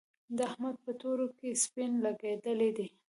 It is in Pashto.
د احمد په تورو کې سپين لګېدلي دي.